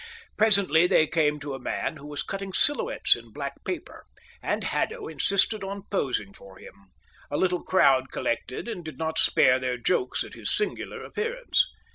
Presently they came to a man who was cutting silhouettes in black paper, and Haddo insisted on posing for him. A little crowd collected and did not spare their jokes at his singular appearance.